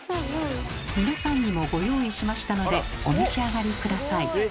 皆さんにもご用意しましたのでお召し上がり下さい。